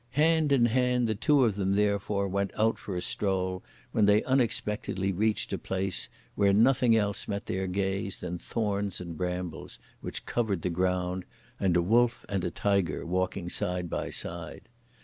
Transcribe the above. Hand in hand, the two of them therefore, went out for a stroll, when they unexpectedly reached a place, where nothing else met their gaze than thorns and brambles, which covered the ground, and a wolf and a tiger walking side by side.